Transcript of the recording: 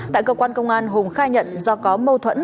tại cơ quan công an hùng khai nhận do có mâu thuẫn